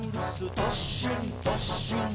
どっしんどっしん」